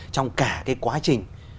trong cả cái quá trình